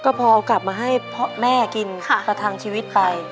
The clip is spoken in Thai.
ก็พอกลับมาให้แม่กินประทางชีวิตไป